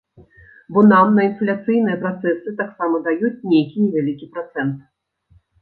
Бо нам на інфляцыйныя працэсы таксама даюць нейкі невялікі працэнт.